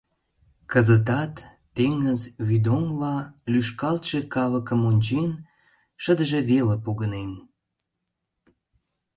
Кызытат, теҥыз вӱдоҥла лӱшкалтше калыкым ончен, шыдыже веле погынен.